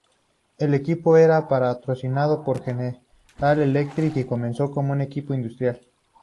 El equipo era patrocinado por General Electric y comenzó como un equipo industrial.